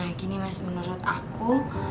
nah gini mas menurut aku